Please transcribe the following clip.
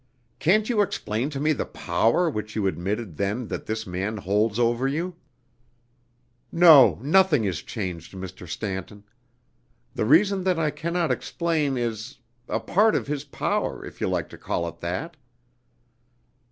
"Can't you explain to me the power which you admitted then that this man holds over you?" "No, nothing is changed, Mr. Stanton! The reason that I cannot explain is a part of his power, if you like to call it that."